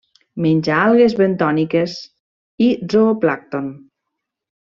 Menja algues bentòniques i zooplàncton.